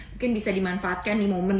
mungkin bisa dimanfaatkan di momen